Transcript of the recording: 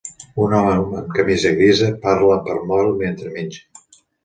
Un home amb camisa grisa parla per mòbil mentre menja.